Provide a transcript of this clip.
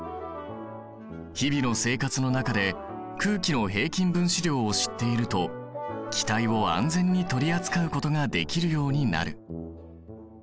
日々の生活の中で空気の平均分子量を知っていると気体を安全に取り扱うことができるようになる。